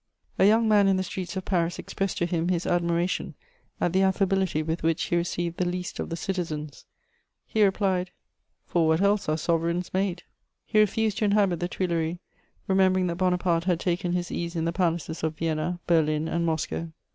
'" A young man in the streets of Paris expressed to him his admiration at the affability with which he received the least of the citizens; he replied: "For what else are sovereigns made?" He refused to inhabit the Tuileries, remembering that Bonaparte had taken his ease in the palaces of Vienna, Berlin and Moscow.